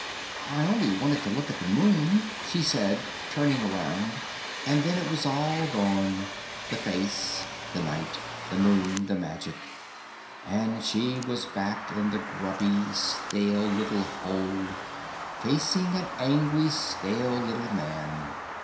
"I only wanted to look at the Moon," she said, turning around, and then it was all gone the face, the night, the Moon, the magic and she was back in the grubby, stale little hole, facing an angry, stale little man.